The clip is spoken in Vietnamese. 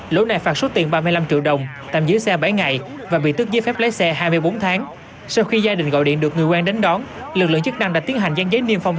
lỗi này phạt số tiền ba mươi năm triệu đồng tạm giữ xe bảy ngày và bị tức giết phép lấy xe hai mươi bốn tháng